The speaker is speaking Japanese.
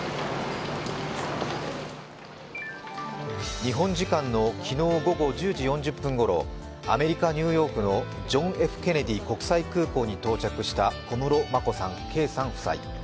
日本時間の昨日午後１０時４０分ごろ、アメリカ・ニューヨークのジョン・Ｆ・ケネディ空港に到着した小室眞子さん・圭さん夫妻。